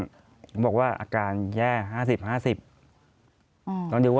บอกว่าอาการแย่๕๐๕๐